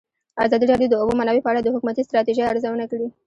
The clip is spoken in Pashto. ازادي راډیو د د اوبو منابع په اړه د حکومتي ستراتیژۍ ارزونه کړې.